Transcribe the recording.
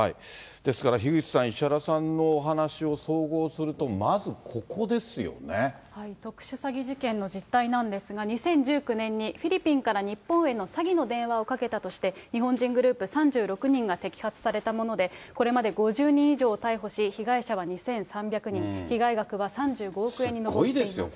ですから、樋口さん、石原さんのお話を総合すると、まずここ特殊詐欺事件の実態なんですが、２０１９年にフィリピンから日本への詐欺の電話をかけたとして、日本人グループ３６人が摘発されたもので、これまで５０人以上を逮捕し、被害者は２３００人、被害額は３５億円に上っています。